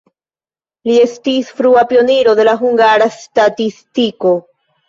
Li estis frua pioniro de la hungara statistiko.